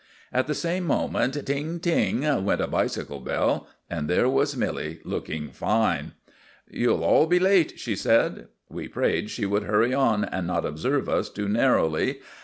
At the same moment ting! ting! went a bicycle bell; and there was Milly, looking fine. "You'll all be late," she said. We prayed she would hurry on and not observe us too narrowly.